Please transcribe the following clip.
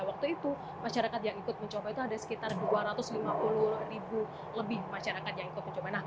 waktu itu masyarakat yang ikut mencoba itu ada sekitar dua ratus lima puluh ribu lebih masyarakat yang ikut mencoba